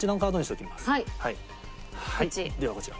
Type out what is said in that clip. ではこちら。